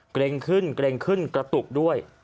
เกร็งขึ้นเกร็งขึ้นกระตุกด้วย